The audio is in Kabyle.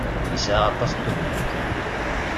Yesɛa aṭas n tugniwin.